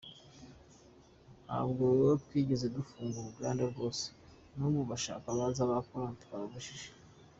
Ntabwo twigeze dufunga uruganda rwose, n’ubu bashaka baza bagakora ntawababujije.”